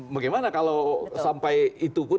bagaimana kalau sampai itu pun